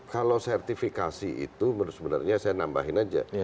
kalau sertifikasi itu menurut sebenarnya saya nambahin aja